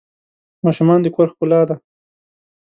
ماشومان د کور ښکلا ده.